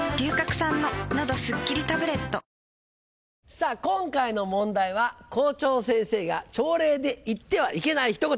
さぁ今回の問題は校長先生が朝礼で言ってはいけない一言。